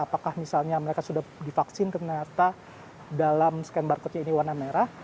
apakah misalnya mereka sudah divaksin ternyata dalam scan barcode nya ini warna merah